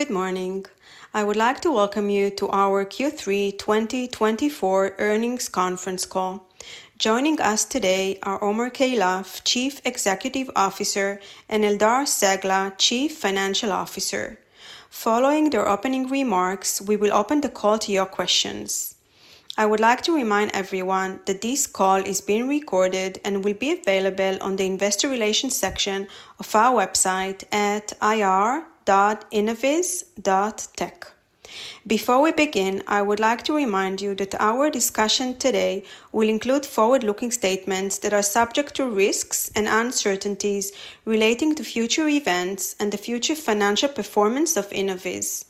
Good morning. I would like to welcome you to our Q3 2024 earnings conference call. Joining us today are Omer Keilaf, Chief Executive Officer, and Eldar Cegla, Chief Financial Officer. Following their opening remarks, we will open the call to your questions. I would like to remind everyone that this call is being recorded and will be available on the investor relations section of our website at ir.innoviz.tech. Before we begin, I would like to remind you that our discussion today will include forward-looking statements that are subject to risks and uncertainties relating to future events and the future financial performance of Innoviz.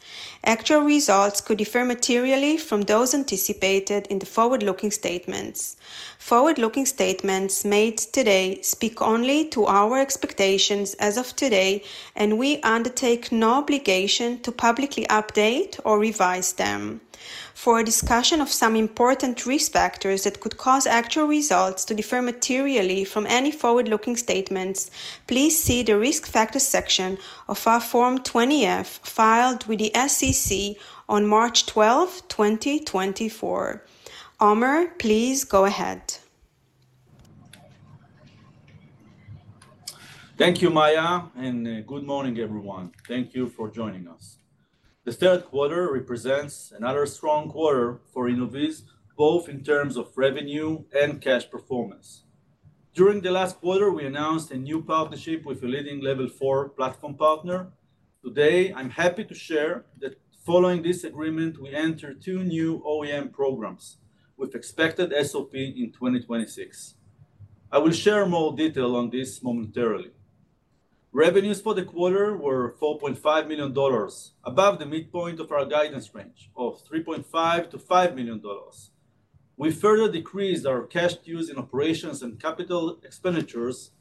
Actual results could differ materially from those anticipated in the forward-looking statements. Forward-looking statements made today speak only to our expectations as of today, and we undertake no obligation to publicly update or revise them. For a discussion of some important risk factors that could cause actual results to differ materially from any forward-looking statements, please see the risk factor section of our Form 20-F filed with the SEC on March 12, 2024. Omer, please go ahead. Thank you, Maya, and good morning, everyone. Thank you for joining us. The third quarter represents another strong quarter for Innoviz, both in terms of revenue and cash performance. During the last quarter, we announced a new partnership with a leading Level 4 platform partner. Today, I'm happy to share that following this agreement, we entered two new OEM programs with expected SOP in 2026. I will share more detail on this momentarily. Revenues for the quarter were $4.5 million, above the midpoint of our guidance range of $3.5-$5 million. We further decreased our cash used in operations and capital expenditures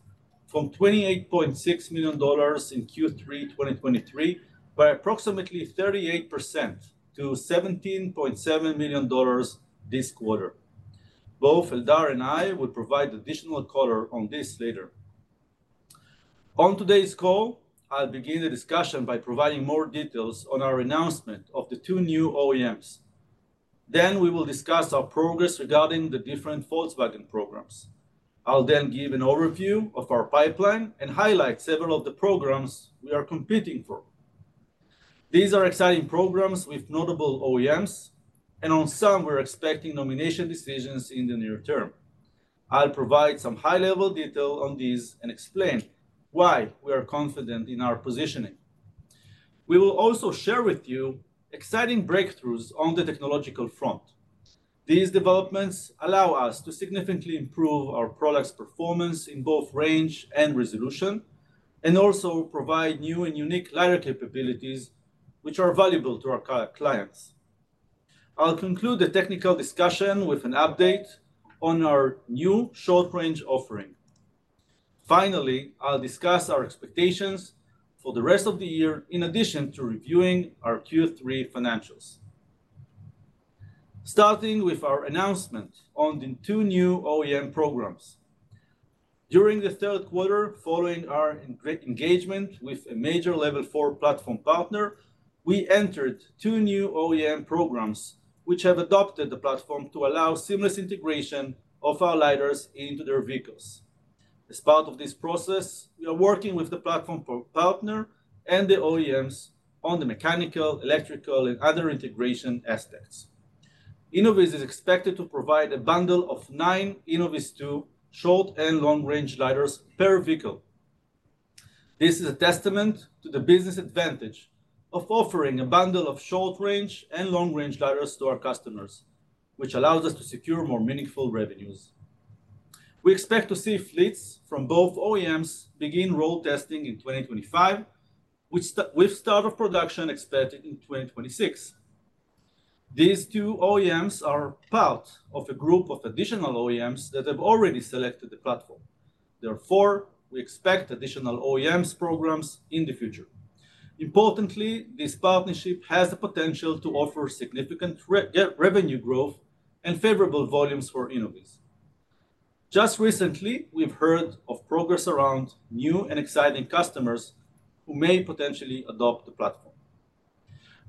from $28.6 million in Q3 2023 by approximately 38% to $17.7 million this quarter. Both Eldar and I will provide additional color on this later. On today's call, I'll begin the discussion by providing more details on our announcement of the two new OEMs. Then we will discuss our progress regarding the different Volkswagen programs. I'll then give an overview of our pipeline and highlight several of the programs we are competing for. These are exciting programs with notable OEMs, and on some, we're expecting nomination decisions in the near term. I'll provide some high-level detail on these and explain why we are confident in our positioning. We will also share with you exciting breakthroughs on the technological front. These developments allow us to significantly improve our product's performance in both range and resolution, and also provide new and unique LiDAR capabilities, which are valuable to our clients. I'll conclude the technical discussion with an update on our new short-range offering. Finally, I'll discuss our expectations for the rest of the year in addition to reviewing our Q3 financials. Starting with our announcement on the two new OEM programs. During the third quarter, following our engagement with a major Level 4 platform partner, we entered two new OEM programs, which have adopted the platform to allow seamless integration of our LiDARs into their vehicles. As part of this process, we are working with the platform partner and the OEMs on the mechanical, electrical, and other integration aspects. Innoviz is expected to provide a bundle of nine InnovizTwo short and long-range LiDARs per vehicle. This is a testament to the business advantage of offering a bundle of short-range and long-range LiDARs to our customers, which allows us to secure more meaningful revenues. We expect to see fleets from both OEMs begin road testing in 2025, with start of production expected in 2026. These two OEMs are part of a group of additional OEMs that have already selected the platform. Therefore, we expect additional OEMs programs in the future. Importantly, this partnership has the potential to offer significant revenue growth and favorable volumes for Innoviz. Just recently, we've heard of progress around new and exciting customers who may potentially adopt the platform.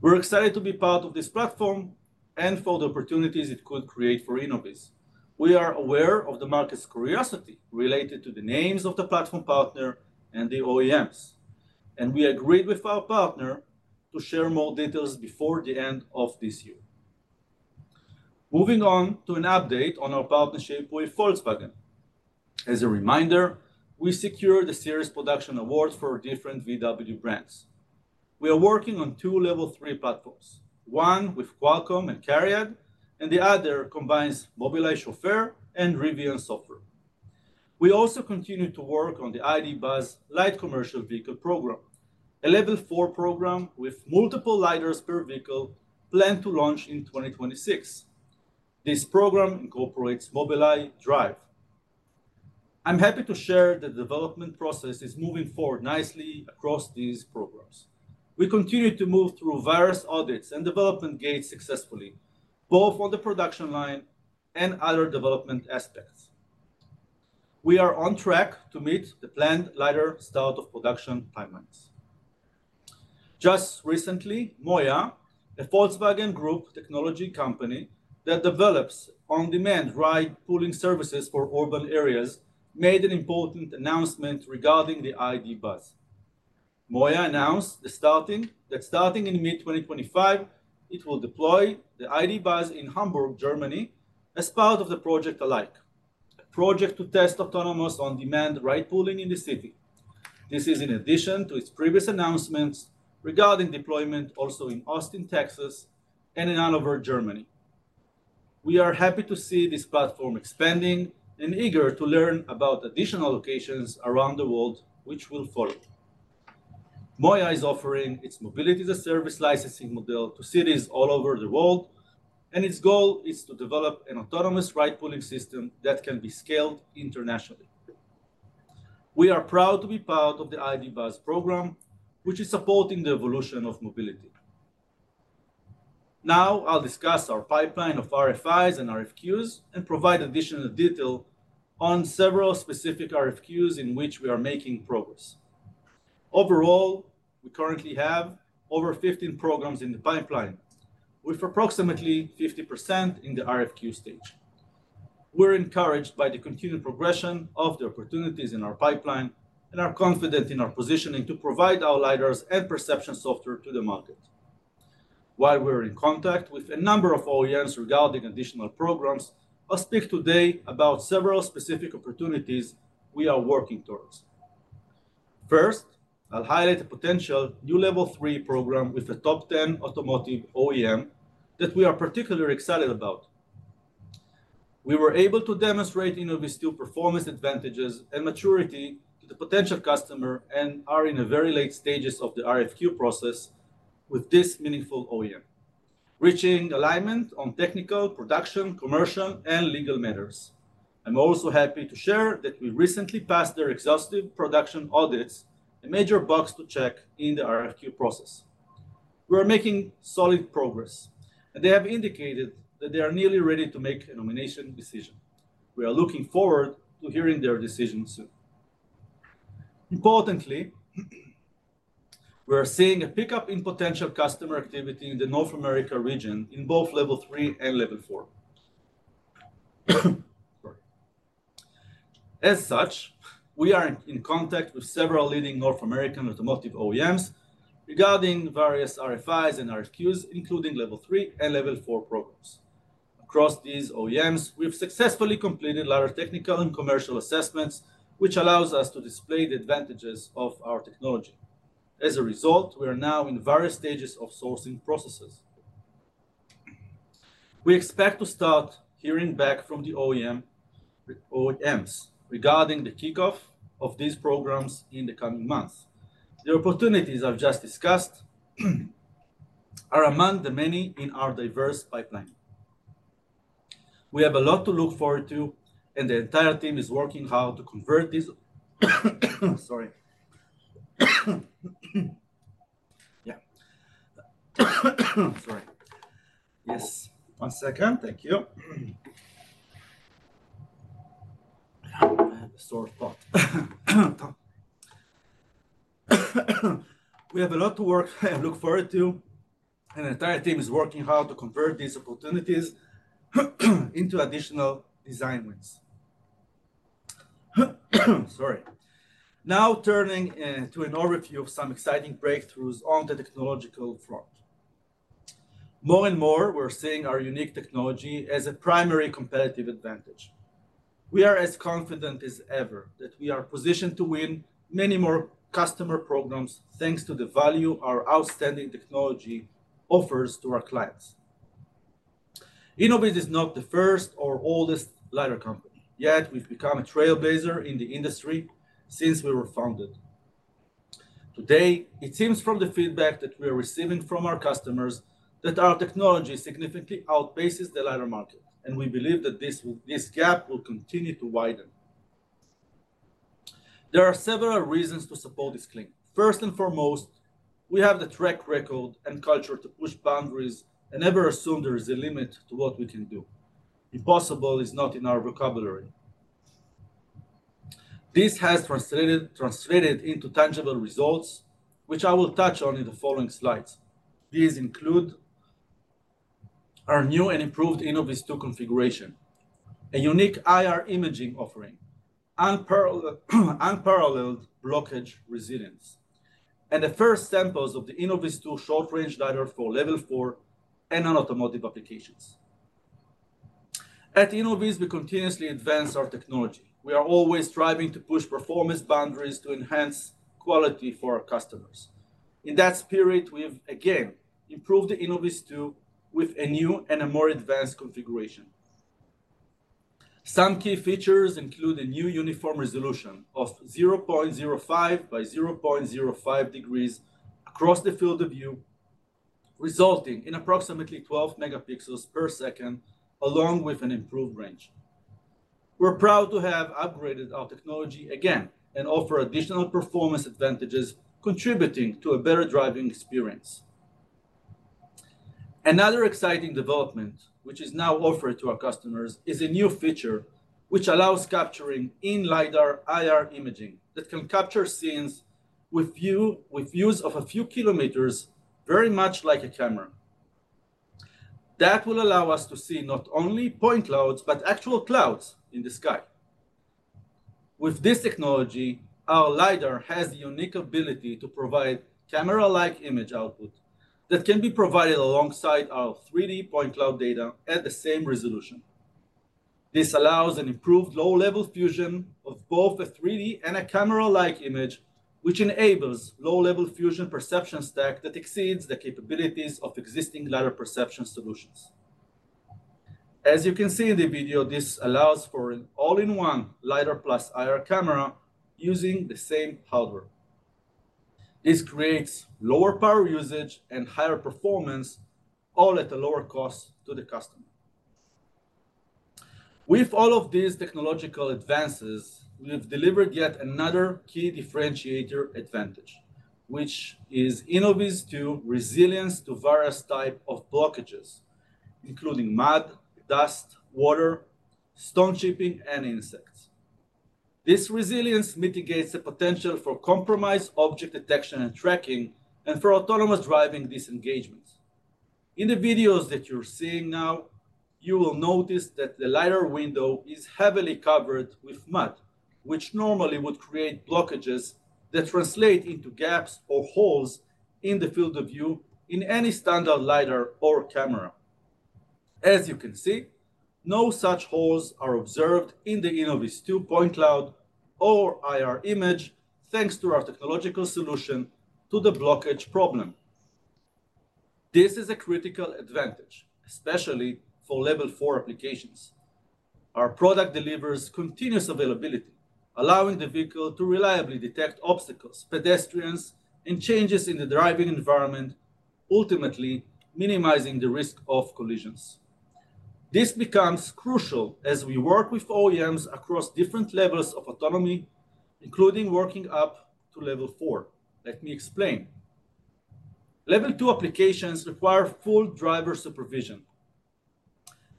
We're excited to be part of this platform and for the opportunities it could create for Innoviz. We are aware of the market's curiosity related to the names of the platform partner and the OEMs, and we agreed with our partner to share more details before the end of this year. Moving on to an update on our partnership with Volkswagen. As a reminder, we secured a series production award for different VW brands. We are working on two Level 3 platforms, one with Qualcomm and CARIAD, and the other combines Mobileye Chauffeur and Rivian Software. We also continue to work on the ID. Buzz light commercial vehicle program, a Level 4 program with multiple LiDARs per vehicle planned to launch in 2026. This program incorporates Mobileye Drive. I'm happy to share the development process is moving forward nicely across these programs. We continue to move through various audits and development gates successfully, both on the production line and other development aspects. We are on track to meet the planned LiDAR start of production timelines. Just recently, MOIA, a Volkswagen Group technology company that develops on-demand ride-pooling services for urban areas, made an important announcement regarding the ID. Buzz. MOIA announced that starting in mid-2025, it will deploy the ID. Buzz in Hamburg, Germany, as part of Project ALIKE, a project to test autonomous on-demand ride-pooling in the city. This is in addition to its previous announcements regarding deployment also in Austin, Texas, and in Hannover, Germany. We are happy to see this platform expanding and eager to learn about additional locations around the world, which will follow. MOIA is offering its mobility as a service licensing model to cities all over the world, and its goal is to develop an autonomous ride pooling system that can be scaled internationally. We are proud to be part of the ID. Buzz program, which is supporting the evolution of mobility. Now, I'll discuss our pipeline of RFIs and RFQs and provide additional detail on several specific RFQs in which we are making progress. Overall, we currently have over 15 programs in the pipeline, with approximately 50% in the RFQ stage. We're encouraged by the continued progression of the opportunities in our pipeline and are confident in our positioning to provide our LiDARs and perception software to the market. While we're in contact with a number of OEMs regarding additional programs, I'll speak today about several specific opportunities we are working towards. First, I'll highlight a potential new Level 3 program with a top 10 automotive OEM that we are particularly excited about. We were able to demonstrate InnovizTwo performance advantages and maturity to the potential customer and are in the very late stages of the RFQ process with this meaningful OEM, reaching alignment on technical, production, commercial, and legal matters. I'm also happy to share that we recently passed their exhaustive production audits, a major box to check in the RFQ process. We are making solid progress, and they have indicated that they are nearly ready to make a nomination decision. We are looking forward to hearing their decision soon. Importantly, we are seeing a pickup in potential customer activity in the North America region in both Level 3 and Level 4. As such, we are in contact with several leading North American automotive OEMs regarding various RFIs and RFQs, including Level 3 and Level 4 programs. Across these OEMs, we have successfully completed LiDAR technical and commercial assessments, which allows us to display the advantages of our technology. As a result, we are now in various stages of sourcing processes. We expect to start hearing back from the OEMs regarding the kickoff of these programs in the coming months. The opportunities I've just discussed are among the many in our diverse pipeline. We have a lot to look forward to, and the entire team is working hard to convert this. Sorry. Yeah. Sorry. Yes. One second. Thank you. We have a lot to work and look forward to, and the entire team is working hard to convert these opportunities into additional design wins. Sorry. Now turning to an overview of some exciting breakthroughs on the technological front. More and more, we're seeing our unique technology as a primary competitive advantage. We are as confident as ever that we are positioned to win many more customer programs thanks to the value our outstanding technology offers to our clients. Innoviz is not the first or oldest LiDAR company. Yet, we've become a trailblazer in the industry since we were founded. Today, it seems from the feedback that we are receiving from our customers that our technology significantly outpaces the LiDAR market, and we believe that this gap will continue to widen. There are several reasons to support this claim. First and foremost, we have the track record and culture to push boundaries and never assume there is a limit to what we can do. Impossible is not in our vocabulary. This has translated into tangible results, which I will touch on in the following slides. These include our new and improved InnovizTwo configuration, a unique IR imaging offering, unparalleled blockage resilience, and the first samples of the InnovizTwo short-range LiDAR for Level 4 and non-automotive applications. At Innoviz, we continuously advance our technology. We are always striving to push performance boundaries to enhance quality for our customers. In that spirit, we've again improved the InnovizTwo with a new and a more advanced configuration. Some key features include a new uniform resolution of 0.05 by 0.05 degrees across the field of view, resulting in approximately 12 megapixels per second, along with an improved range. We're proud to have upgraded our technology again and offer additional performance advantages, contributing to a better driving experience. Another exciting development, which is now offered to our customers, is a new feature which allows capturing in-LiDAR IR imaging that can capture scenes with views of a few kilometers, very much like a camera. That will allow us to see not only point clouds, but actual clouds in the sky. With this technology, our LiDAR has the unique ability to provide camera-like image output that can be provided alongside our 3D point cloud data at the same resolution. This allows an improved low-level fusion of both a 3D and a camera-like image, which enables low-level fusion perception stack that exceeds the capabilities of existing LiDAR perception solutions. As you can see in the video, this allows for an all-in-one LiDAR plus IR camera using the same hardware. This creates lower power usage and higher performance, all at a lower cost to the customer. With all of these technological advances, we've delivered yet another key differentiator advantage, which is InnovizTwo resilience to various types of blockages, including mud, dust, water, stone chipping, and insects. This resilience mitigates the potential for compromised object detection and tracking, and for autonomous driving disengagement. In the videos that you're seeing now, you will notice that the LiDAR window is heavily covered with mud, which normally would create blockages that translate into gaps or holes in the field of view in any standard LiDAR or camera. As you can see, no such holes are observed in the InnovizTwo point cloud or IR image, thanks to our technological solution to the blockage problem. This is a critical advantage, especially for Level 4 applications. Our product delivers continuous availability, allowing the vehicle to reliably detect obstacles, pedestrians, and changes in the driving environment, ultimately minimizing the risk of collisions. This becomes crucial as we work with OEMs across different levels of autonomy, including working up to Level 4. Let me explain. Level 2 applications require full driver supervision,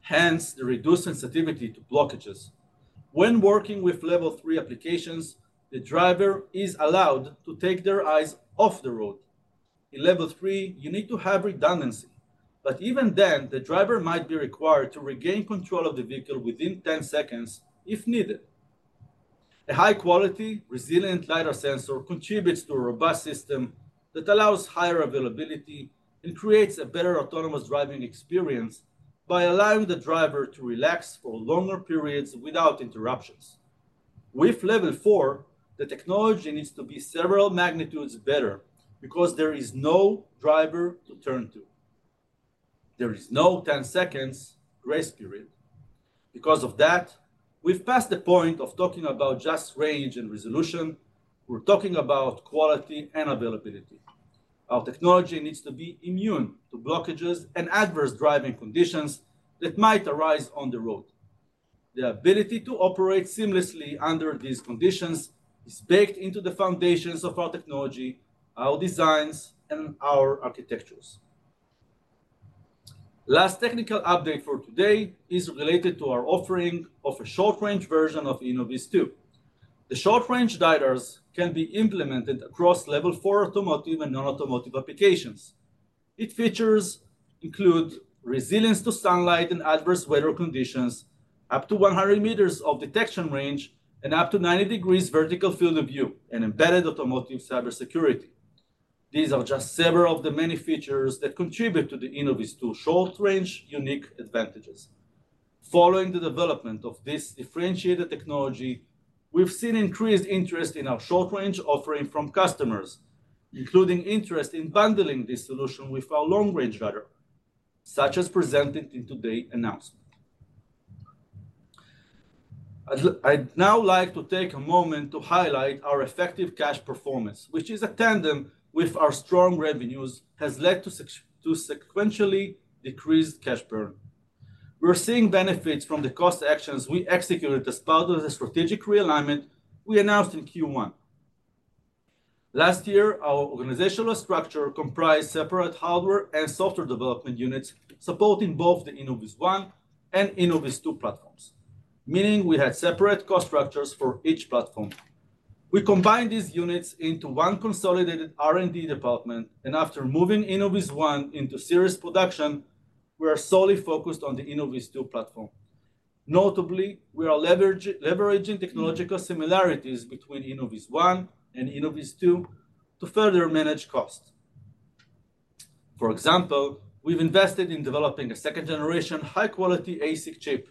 hence the reduced sensitivity to blockages. When working with Level 3 applications, the driver is allowed to take their eyes off the road. In Level 3, you need to have redundancy, but even then, the driver might be required to regain control of the vehicle within 10 seconds if needed. A high-quality, resilient LiDAR sensor contributes to a robust system that allows higher availability and creates a better autonomous driving experience by allowing the driver to relax for longer periods without interruptions. With Level 4, the technology needs to be several magnitudes better because there is no driver to turn to. There is no 10-second grace period. Because of that, we've passed the point of talking about just range and resolution. We're talking about quality and availability. Our technology needs to be immune to blockages and adverse driving conditions that might arise on the road. The ability to operate seamlessly under these conditions is baked into the foundations of our technology, our designs, and our architectures. Last technical update for today is related to our offering of a short-range version of InnovizTwo. The short-range LiDARs can be implemented across Level 4 automotive and non-automotive applications. Its features include resilience to sunlight and adverse weather conditions, up to 100 meters of detection range, and up to 90 degrees vertical field of view, and embedded automotive cybersecurity. These are just several of the many features that contribute to the InnovizTwo short-range unique advantages. Following the development of this differentiated technology, we've seen increased interest in our short-range offering from customers, including interest in bundling this solution with our long-range LiDAR, such as presented in today's announcement. I'd now like to take a moment to highlight our effective cash performance, which, in tandem with our strong revenues, has led to sequentially decreased cash burn. We're seeing benefits from the cost actions we executed as part of the strategic realignment we announced in Q1. Last year, our organizational structure comprised separate hardware and software development units supporting both the InnovizOne and InnovizTwo platforms, meaning we had separate cost structures for each platform. We combined these units into one consolidated R&D department, and after moving InnovizOne into series production, we are solely focused on the InnovizTwo platform. Notably, we are leveraging technological similarities between InnovizOne and InnovizTwo to further manage costs. For example, we've invested in developing a 2nd generation high-quality ASIC chip,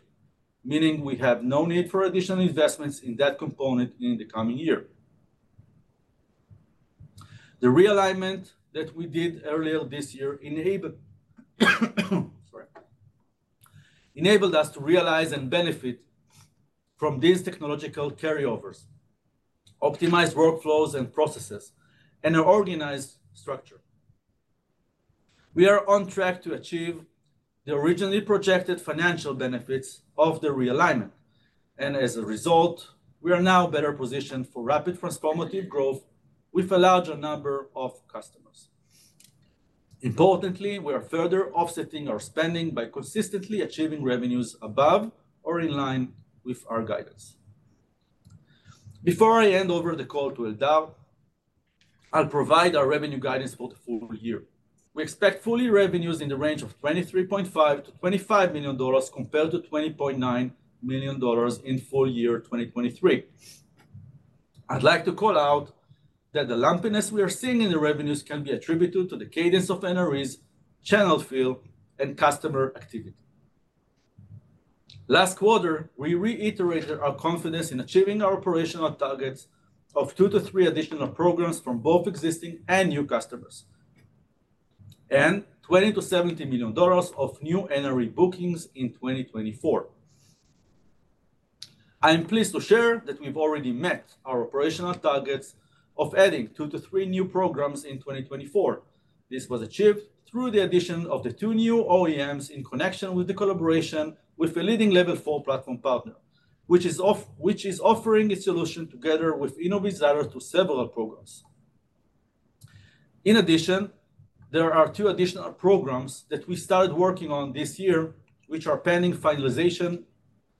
meaning we have no need for additional investments in that component in the coming year. The realignment that we did earlier this year enabled us to realize and benefit from these technological carryovers, optimized workflows and processes, and an organized structure. We are on track to achieve the originally projected financial benefits of the realignment, and as a result, we are now better positioned for rapid transformative growth with a larger number of customers. Importantly, we are further offsetting our spending by consistently achieving revenues above or in line with our guidance. Before I hand over the call to Eldar, I'll provide our revenue guidance for the full year. We expect full-year revenues in the range of $23.5-$25 million compared to $20.9 million in full year 2023. I'd like to call out that the lumpiness we are seeing in the revenues can be attributed to the cadence of NREs, channel fill, and customer activity. Last quarter, we reiterated our confidence in achieving our operational targets of two to three additional programs from both existing and new customers, and $20-$70 million of new NRE bookings in 2024. I'm pleased to share that we've already met our operational targets of adding two to three new programs in 2024. This was achieved through the addition of the two new OEMs in connection with the collaboration with a leading Level 4 platform partner, which is offering its solution together with Innoviz LiDAR to several programs. In addition, there are two additional programs that we started working on this year, which are pending finalization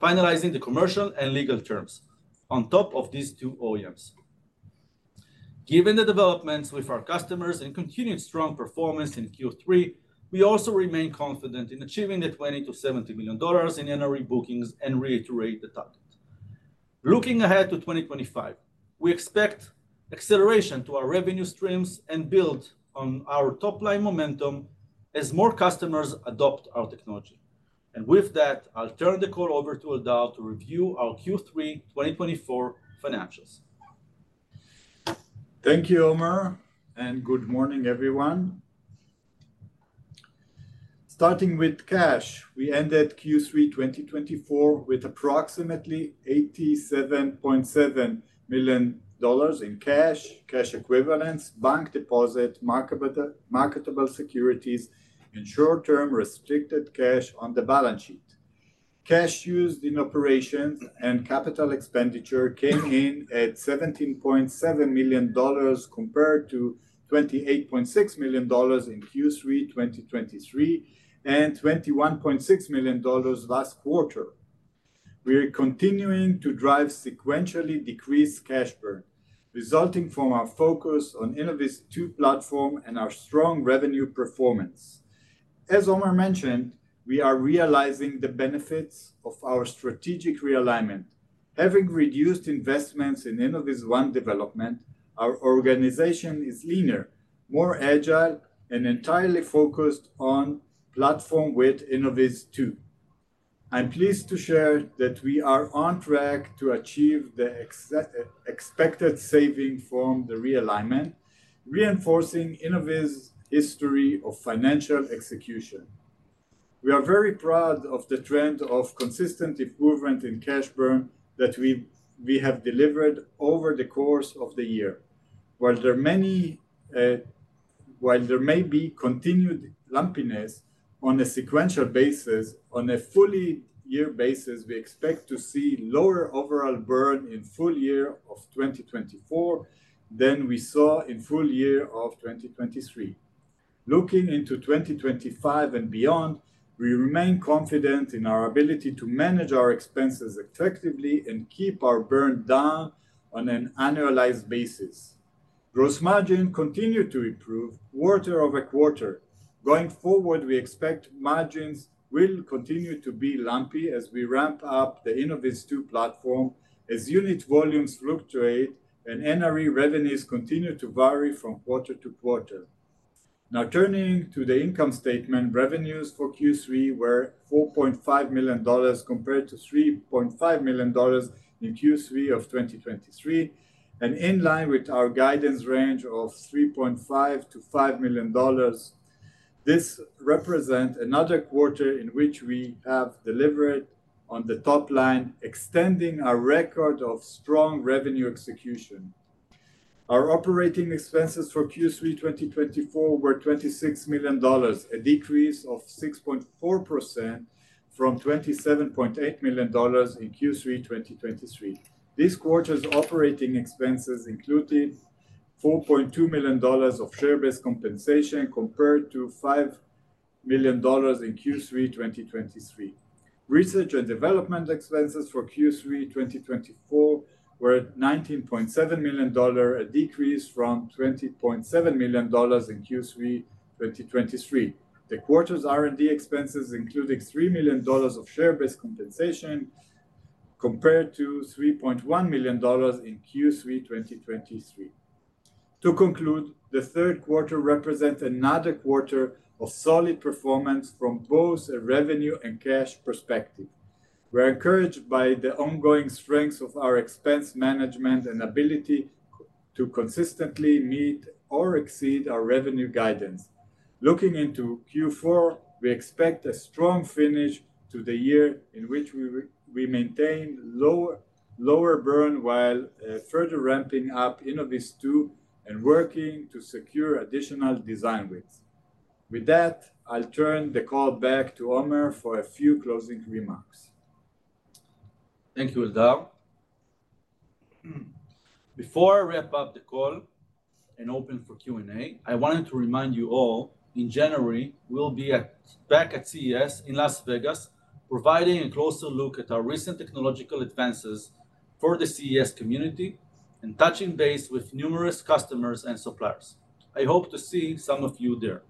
of the commercial and legal terms on top of these two OEMs. Given the developments with our customers and continued strong performance in Q3, we also remain confident in achieving the $20 million-$70 million in NRE bookings and reiterate the target. Looking ahead to 2025, we expect acceleration to our revenue streams and build on our top-line momentum as more customers adopt our technology. And with that, I'll turn the call over to Eldar to review our Q3 2024 financials. Thank you, Omer, and good morning, everyone. Starting with cash, we ended Q3 2024 with approximately $87.7 million in cash, cash equivalents, bank deposit, marketable securities, and short-term restricted cash on the balance sheet. Cash used in operations and capital expenditure came in at $17.7 million compared to $28.6 million in Q3 2023 and $21.6 million last quarter. We are continuing to drive sequentially decreased cash burn, resulting from our focus on InnovizTwo platform and our strong revenue performance. As Omer mentioned, we are realizing the benefits of our strategic realignment. Having reduced investments in InnovizOne development, our organization is leaner, more agile, and entirely focused on platform with InnovizTwo. I'm pleased to share that we are on track to achieve the expected saving from the realignment, reinforcing Innoviz's history of financial execution. We are very proud of the trend of consistent improvement in cash burn that we have delivered over the course of the year. While there may be continued lumpiness on a sequential basis, on a full-year basis, we expect to see lower overall burn in full year of 2024 than we saw in full year of 2023. Looking into 2025 and beyond, we remain confident in our ability to manage our expenses effectively and keep our burn down on an annualized basis. Gross margin continued to improve quarter over quarter. Going forward, we expect margins will continue to be lumpy as we ramp up the InnovizTwo platform, as unit volumes fluctuate and NRE revenues continue to vary from quarter to quarter. Now, turning to the income statement, revenues for Q3 were $4.5 million compared to $3.5 million in Q3 of 2023, and in line with our guidance range of $3.5-$5 million. This represents another quarter in which we have delivered on the top line, extending our record of strong revenue execution. Our operating expenses for Q3 2024 were $26 million, a decrease of 6.4% from $27.8 million in Q3 2023. This quarter's operating expenses included $4.2 million of share-based compensation compared to $5 million in Q3 2023. Research and development expenses for Q3 2024 were $19.7 million, a decrease from $20.7 million in Q3 2023. The quarter's R&D expenses included $3 million of share-based compensation compared to $3.1 million in Q3 2023. To conclude, the third quarter represents another quarter of solid performance from both a revenue and cash perspective. We're encouraged by the ongoing strengths of our expense management and ability to consistently meet or exceed our revenue guidance. Looking into Q4, we expect a strong finish to the year in which we maintain lower burn while further ramping up InnovizTwo and working to secure additional design wins. With that, I'll turn the call back to Omer for a few closing remarks. Thank you, Eldar. Before I wrap up the call and open for Q&A, I wanted to remind you all, in January, we'll be back at CES in Las Vegas, providing a closer look at our recent technological advances for the CES community and touching base with numerous customers and suppliers. I hope to see some of you there.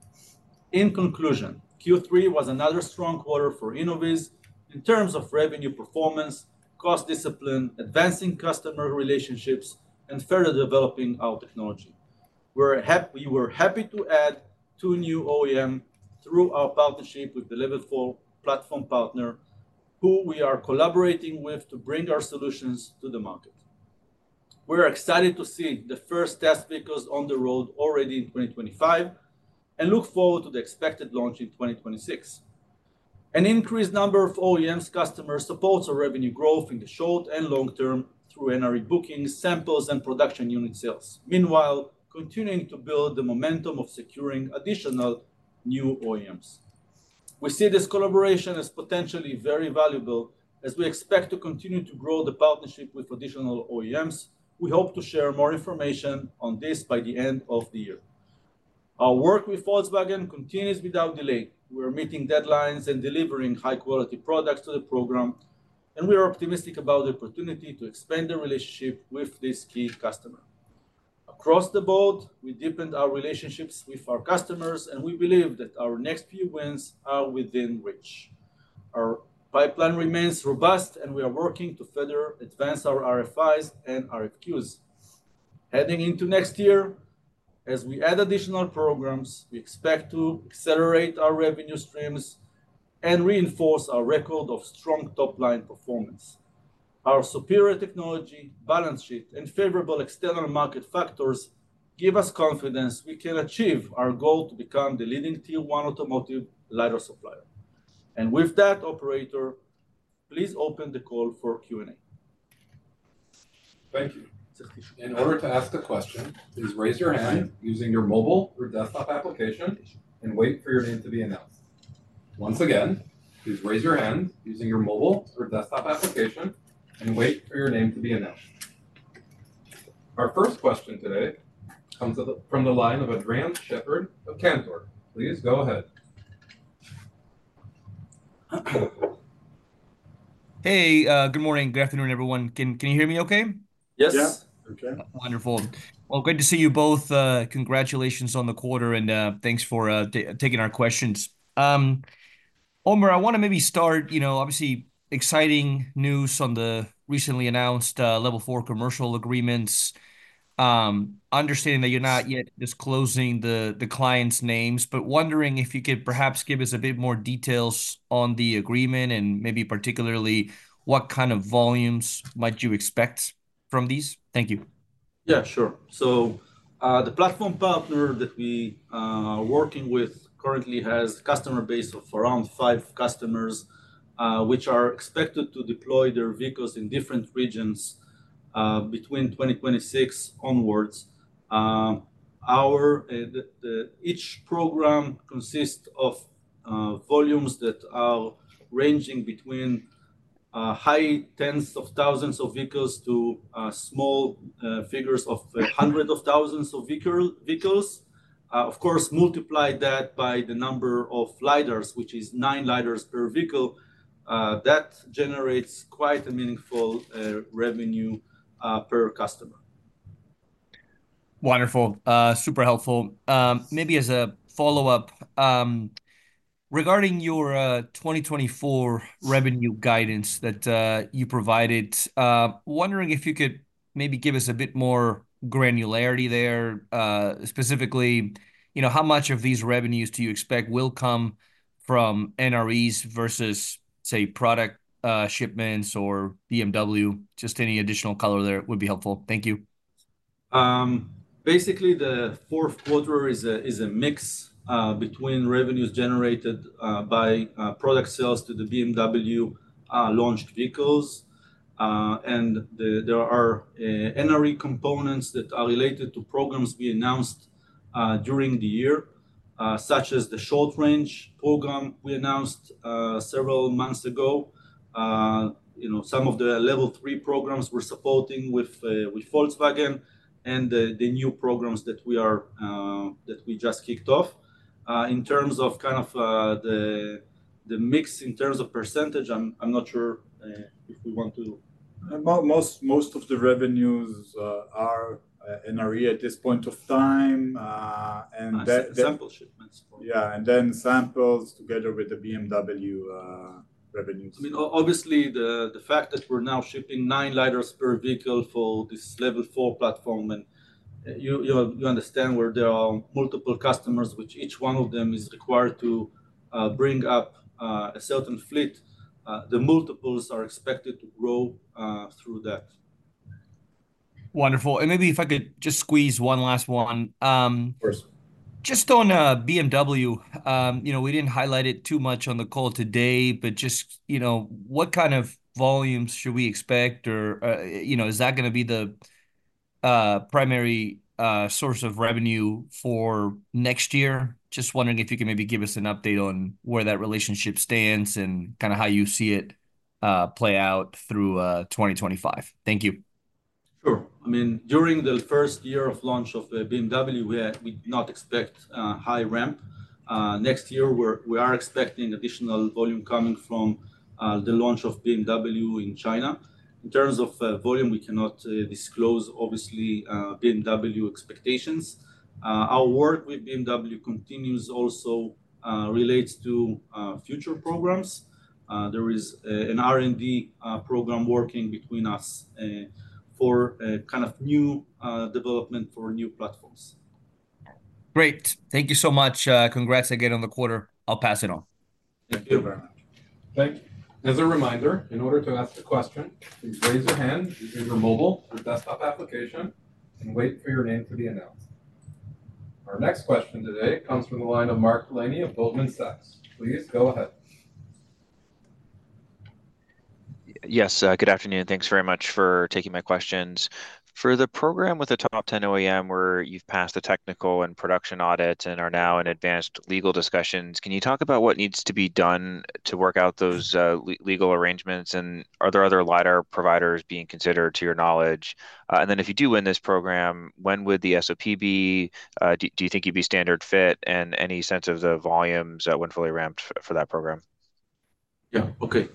In conclusion, Q3 was another strong quarter for Innoviz in terms of revenue performance, cost discipline, advancing customer relationships, and further developing our technology. We were happy to add two new OEMs through our partnership with the Level 4 platform partner, who we are collaborating with to bring our solutions to the market. We're excited to see the first test vehicles on the road already in 2025 and look forward to the expected launch in 2026. An increased number of OEMs' customers supports our revenue growth in the short and long term through NRE bookings, samples, and production unit sales, meanwhile continuing to build the momentum of securing additional new OEMs. We see this collaboration as potentially very valuable as we expect to continue to grow the partnership with additional OEMs. We hope to share more information on this by the end of the year. Our work with Volkswagen continues without delay. We are meeting deadlines and delivering high-quality products to the program, and we are optimistic about the opportunity to expand the relationship with this key customer. Across the board, we deepened our relationships with our customers, and we believe that our next few wins are within reach. Our pipeline remains robust, and we are working to further advance our RFIs and RFQs. Heading into next year, as we add additional programs, we expect to accelerate our revenue streams and reinforce our record of strong top-line performance. Our superior technology, balance sheet, and favorable external market factors give us confidence we can achieve our goal to become the leading Tier 1 automotive LiDAR supplier. And with that, operator, please open the call for Q&A. Thank you. In order to ask a question, please raise your hand using your mobile or desktop application and wait for your name to be announced. Once again, please raise your hand using your mobile or desktop application and wait for your name to be announced. Our first question today comes from the line of Andres Sheppard of Cantor Fitzgerald. Please go ahead. Hey, good morning. Good afternoon, everyone. Can you hear me okay? Yes. Yeah. Okay. Wonderful. Well, great to see you both. Congratulations on the quarter, and thanks for taking our questions. Omer, I want to maybe start, you know, obviously exciting news on the recently announced Level 4 commercial agreements. Understanding that you're not yet disclosing the client's names, but wondering if you could perhaps give us a bit more details on the agreement and maybe particularly what kind of volumes might you expect from these. Thank you. Yeah, sure. So the platform partner that we are working with currently has a customer base of around five customers, which are expected to deploy their vehicles in different regions between 2026 onwards. Each program consists of volumes that are ranging between high tens of thousands of vehicles to small figures of hundreds of thousands of vehicles. Of course, multiply that by the number of LiDARs, which is nine LiDARs per vehicle. That generates quite a meaningful revenue per customer. Wonderful. Super helpful. Maybe as a follow-up, regarding your 2024 revenue guidance that you provided, wondering if you could maybe give us a bit more granularity there, specifically, you know, how much of these revenues do you expect will come from NREs versus, say, product shipments or BMW? Just any additional color there would be helpful. Thank you. Basically, the fourth quarter is a mix between revenues generated by product sales to the BMW-launched vehicles. And there are NRE components that are related to programs we announced during the year, such as the short-range program we announced several months ago. You know, some of the Level 3 programs we're supporting with Volkswagen and the new programs that we just kicked off. In terms of kind of the mix in terms of percentage, I'm not sure if we want to. Most of the revenues are NRE at this point of time. And that's sample shipments. Yeah. And then samples together with the BMW revenues. I mean, obviously, the fact that we're now shipping nine LiDARs per vehicle for this Level 4 platform, and you understand where there are multiple customers, which each one of them is required to bring up a certain fleet, the multiples are expected to grow through that. Wonderful. And maybe if I could just squeeze one last one. Of course. Just on BMW, you know, we didn't highlight it too much on the call today, but just, you know, what kind of volumes should we expect? Or, you know, is that going to be the primary source of revenue for next year? Just wondering if you can maybe give us an update on where that relationship stands and kind of how you see it play out through 2025. Thank you. Sure. I mean, during the first year of launch of BMW, we did not expect a high ramp. Next year, we are expecting additional volume coming from the launch of BMW in China. In terms of volume, we cannot disclose, obviously, BMW expectations. Our work with BMW continues, also relates to future programs. There is an R&D program working between us for kind of new development for new platforms. Great. Thank you so much. Congrats again on the quarter. I'll pass it on. Thank you very much. Thank you. As a reminder, in order to ask a question, please raise your hand using your mobile or desktop application and wait for your name to be announced. Our next question today comes from the line of Mark Delaney of Goldman Sachs. Please go ahead. Yes. Good afternoon. Thanks very much for taking my questions. For the program with the top 10 OEM, where you've passed the technical and production audits and are now in advanced legal discussions, can you talk about what needs to be done to work out those legal arrangements? And are there other LiDAR providers being considered, to your knowledge? And then if you do win this program, when would the SOP be? Do you think you'd be standard fit? And any sense of the volumes when fully ramped for that program? Yeah. Okay.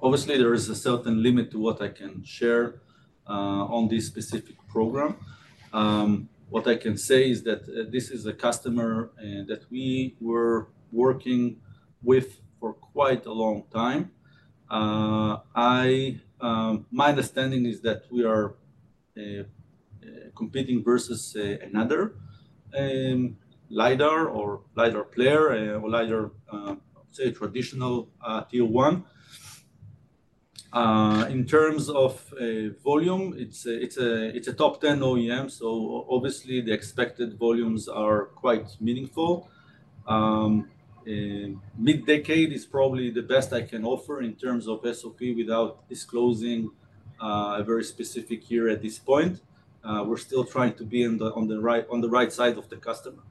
Obviously, there is a certain limit to what I can share on this specific program. What I can say is that this is a customer that we were working with for quite a long time. My understanding is that we are competing versus another LiDAR or LiDAR player or LiDAR, say, traditional Tier 1. In terms of volume, it's a top 10 OEM, so obviously the expected volumes are quite meaningful. Mid-decade is probably the best I can offer in terms of SOP without disclosing a very specific year at this point. We're still trying to be on the right side of the customer.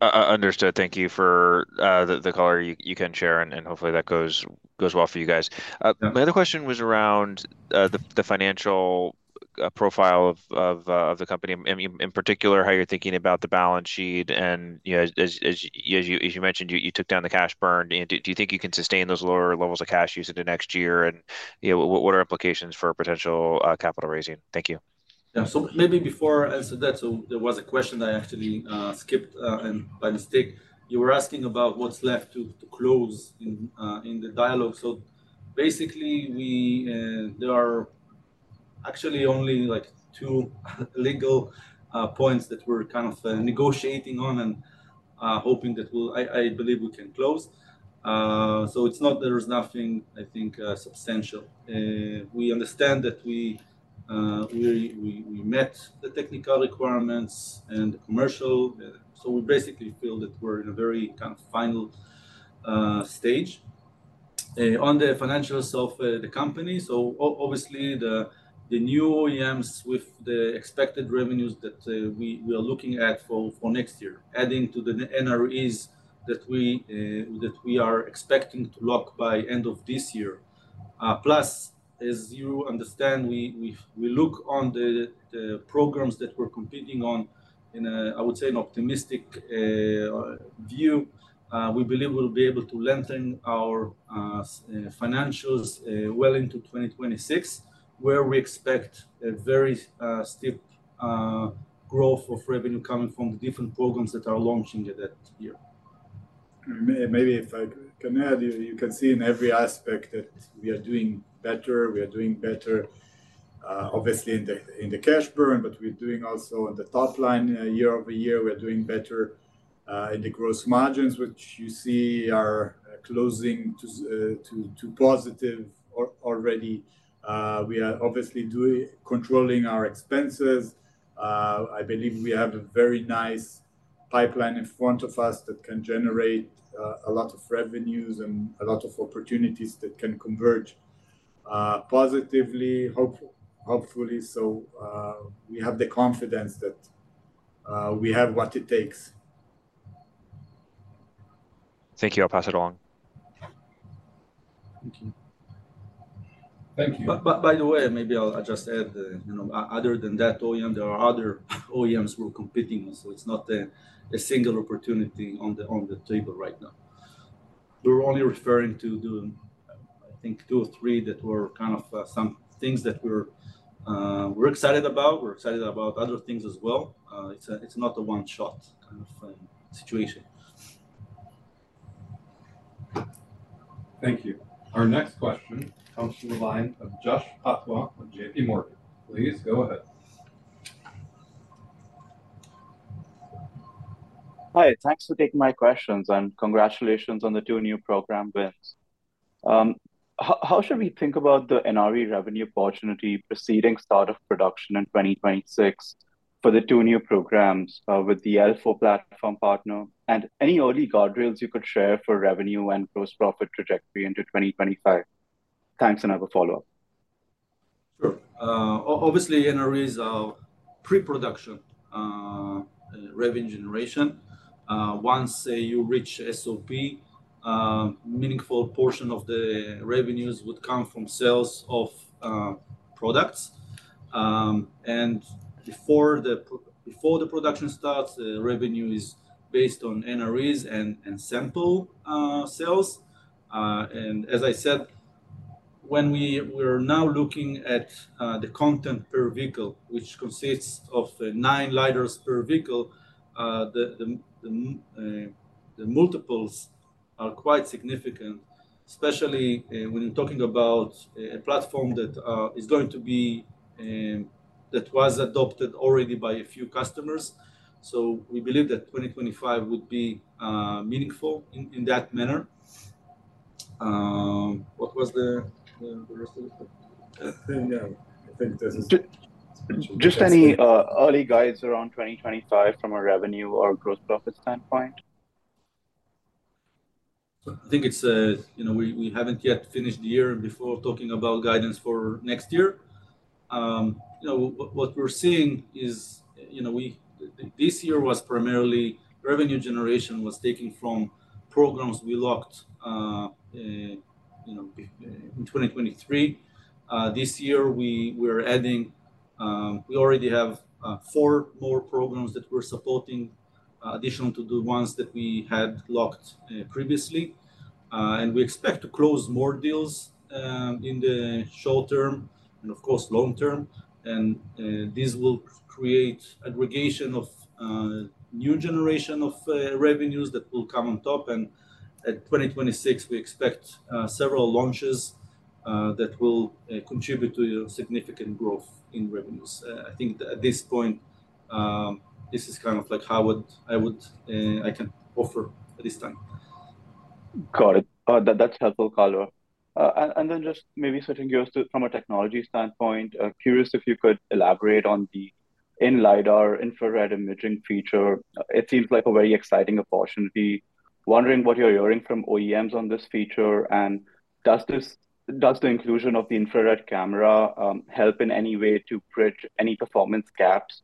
Understood. Thank you for the color you can share, and hopefully that goes well for you guys. My other question was around the financial profile of the company, in particular, how you're thinking about the balance sheet. And as you mentioned, you took down the cash burned. Do you think you can sustain those lower levels of cash use into next year? And what are implications for potential capital raising? Thank you. Yeah. So maybe before I answer that, so there was a question that I actually skipped by mistake. You were asking about what's left to close in the deal. So basically, there are actually only like two legal points that we're kind of negotiating on and hoping that I believe we can close. So it's not that there's nothing, I think, substantial. We understand that we met the technical requirements and the commercial. So we basically feel that we're in a very kind of final stage on the financials of the company. So obviously, the new OEMs with the expected revenues that we are looking at for next year, adding to the NREs that we are expecting to lock by end of this year. Plus, as you understand, we look on the programs that we're competing on in, I would say, an optimistic view. We believe we'll be able to lengthen our financials well into 2026, where we expect a very steep growth of revenue coming from the different programs that are launching at that year. Maybe if I can add, you can see in every aspect that we are doing better. We are doing better, obviously, in the cash burn, but we're doing also on the top line year over year. We are doing better in the gross margins, which you see are closing to positive already. We are obviously controlling our expenses. I believe we have a very nice pipeline in front of us that can generate a lot of revenues and a lot of opportunities that can converge positively, hopefully, so we have the confidence that we have what it takes. Thank you. I'll pass it along. Thank you. Thank you. By the way, maybe I'll just add, other than that OEM, there are other OEMs we're competing with. So it's not a single opportunity on the table right now. We're only referring to, I think, two or three that were kind of some things that we're excited about. We're excited about other things as well. It's not a one-shot kind of situation. Thank you. Our next question comes from the line of Jash Patwa of J.P. Morgan. Please go ahead. Hi. Thanks for taking my questions and congratulations on the two new program wins. How should we think about the NRE revenue opportunity preceding start of production in 2026 for the two new programs with the L4 platform partner and any early guardrails you could share for revenue and gross profit trajectory into 2025? Thanks and have a follow-up. Sure. Obviously, NREs are pre-production revenue generation. Once you reach SOP, a meaningful portion of the revenues would come from sales of products. And before the production starts, the revenue is based on NREs and sample sales. And as I said, when we are now looking at the content per vehicle, which consists of nine LiDARs per vehicle, the multiples are quite significant, especially when you're talking about a platform that is going to be that was adopted already by a few customers. So we believe that 2025 would be meaningful in that manner. What was the rest of the question? I think this is just any early guidance around 2025 from a revenue or gross profit standpoint? I think it's a, you know, we haven't yet finished the year before talking about guidance for next year. You know, what we're seeing is, you know, this year was primarily revenue generation was taken from programs we locked in 2023. This year, we are adding, we already have four more programs that we're supporting, additional to the ones that we had locked previously. And we expect to close more deals in the short term and, of course, long term. And this will create aggregation of new generation of revenues that will come on top. And at 2026, we expect several launches that will contribute to significant growth in revenues. I think at this point, this is kind of like how I can offer at this time. Got it. That's helpful, Omer. And then just maybe switching gears from a technology standpoint, curious if you could elaborate on the in-LiDAR infrared imaging feature. It seems like a very exciting opportunity. Wondering what you're hearing from OEMs on this feature. Does the inclusion of the infrared camera help in any way to bridge any performance gaps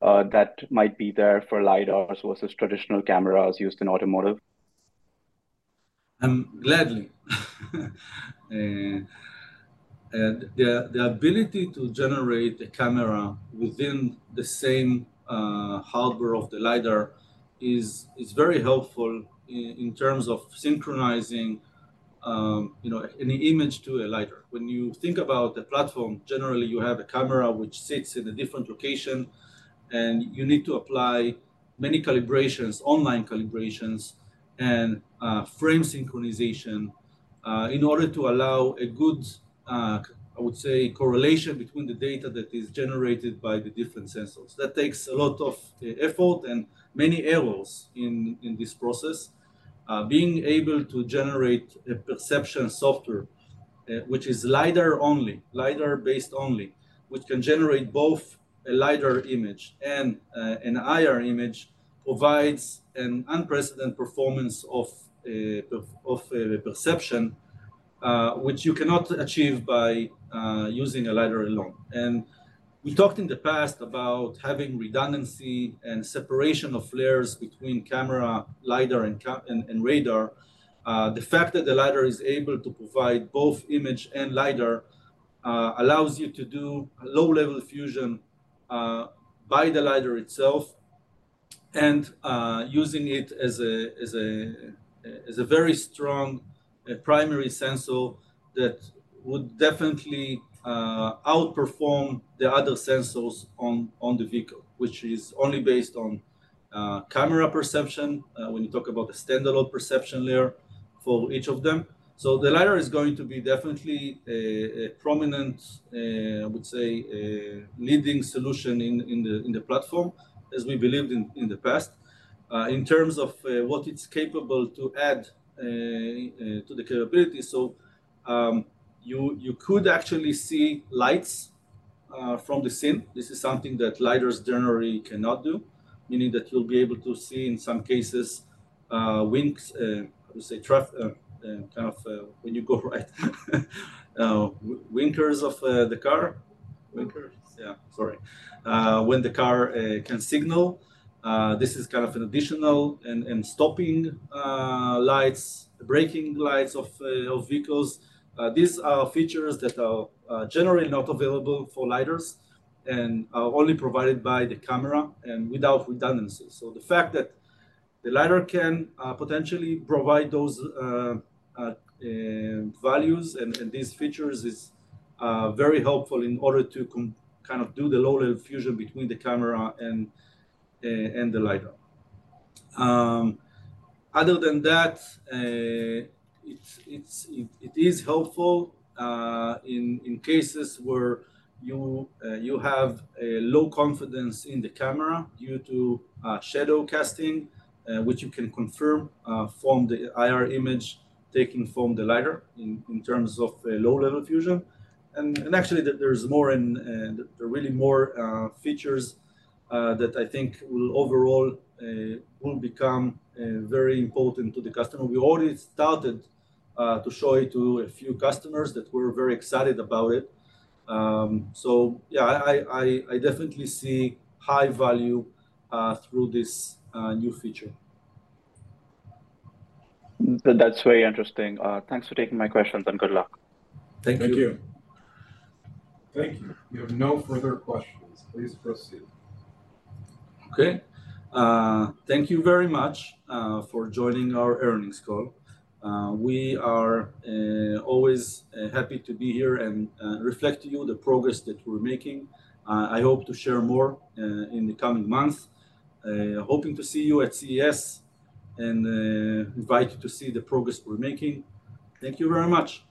that might be there for LiDARs versus traditional cameras used in automotive? Gladly. The ability to generate a camera within the same hardware of the LiDAR is very helpful in terms of synchronizing any image to a LiDAR. When you think about the platform, generally, you have a camera which sits in a different location, and you need to apply many calibrations, online calibrations, and frame synchronization in order to allow a good, I would say, correlation between the data that is generated by the different sensors. That takes a lot of effort and many errors in this process. Being able to generate a perception software, which is LiDAR-only, LiDAR-based only, which can generate both a LiDAR image and an IR image, provides an unprecedented performance of perception, which you cannot achieve by using a LiDAR alone, and we talked in the past about having redundancy and separation of layers between camera, LiDAR, and radar. The fact that the LiDAR is able to provide both image and LiDAR allows you to do low-level fusion by the LiDAR itself and using it as a very strong primary sensor that would definitely outperform the other sensors on the vehicle, which is only based on camera perception when you talk about the standalone perception layer for each of them. The LiDAR is going to be definitely a prominent, I would say, leading solution in the platform, as we believed in the past, in terms of what it's capable to add to the capability. You could actually see lights from the scene. This is something that LiDARs generally cannot do, meaning that you'll be able to see in some cases winks, I would say, kind of when you go right, winkers of the car. Winkers. Yeah. Sorry. When the car can signal, this is kind of an additional and stopping lights, braking lights of vehicles. These are features that are generally not available for LiDARs and are only provided by the camera and without redundancy. The fact that the LiDAR can potentially provide those values and these features is very helpful in order to kind of do the low-level fusion between the camera and the LiDAR. Other than that, it is helpful in cases where you have low confidence in the camera due to shadow casting, which you can confirm from the IR image taken from the LiDAR in terms of low-level fusion. And actually, there's more and there are really more features that I think will overall become very important to the customer. We already started to show it to a few customers that were very excited about it. So yeah, I definitely see high value through this new feature. That's very interesting. Thanks for taking my questions and good luck. Thank you. Thank you. Thank you. We have no further questions. Please proceed. Okay. Thank you very much for joining our earnings call. We are always happy to be here and reflect to you the progress that we're making. I hope to share more in the coming months. Hoping to see you at CES and invite you to see the progress we're making. Thank you very much.